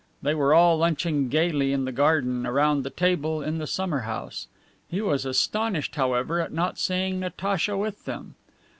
They were all lunching gayly in the garden, around the table in the summer house. He was astonished, however, at not seeing Natacha with them.